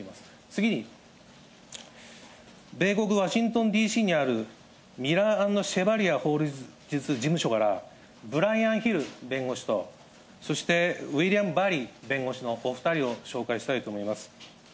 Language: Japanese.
次に、米国ワシントンＤＣによるミラー＆シェバリア法律事務所から、ブライアン・ヒル弁護士とそして、ウィリアム・バリー弁護士のお２人を紹介したいと思います。